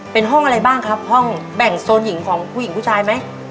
เป็นห้องอะไรบ้างครับห้องแบ่งโซนหญิงของผู้หญิงผู้ชายไหม